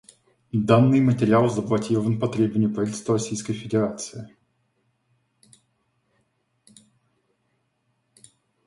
Данный материал заблокирован по требованию Правительства Российской Федерации.